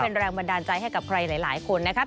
เป็นแรงบันดาลใจให้กับใครหลายคนนะครับ